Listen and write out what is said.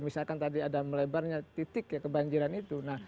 misalkan tadi ada melebarnya titik ya kebanjiran itu